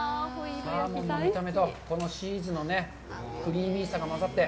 サーモンの見た目と、チーズのクリーミーさが混ざって。